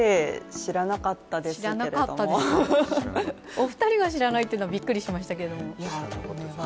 知らなかったです、お二人は知らないというのはびっくりしましたけど。